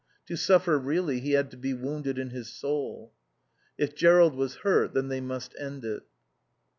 To suffer really he had to be wounded in his soul. If Jerrold was hurt then they must end it.